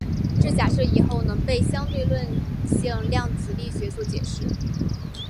这假设以后能被相对论性量子力学所解释。